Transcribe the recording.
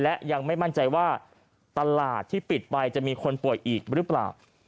และยังไม่มั่นใจว่าตลาดที่ปิดไปจะมีคนป่วยอีกหรือเปล่า